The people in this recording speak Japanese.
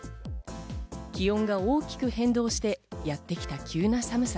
気温が大きく変動してやってきた急な寒さ。